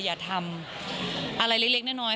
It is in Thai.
อย่าทำอะไรเล็กน้อย